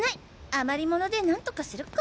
余り物でなんとかするか。